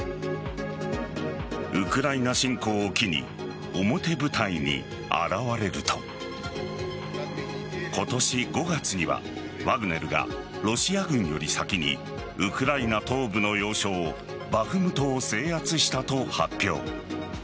ウクライナ侵攻を機に表舞台に現れると今年５月には、ワグネルがロシア軍より先にウクライナ東部の要衝バフムトを制圧したと発表。